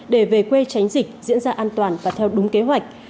để tránh dịch diễn ra an toàn và theo đúng kế hoạch